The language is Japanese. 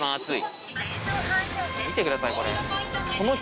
見てくださいこれ。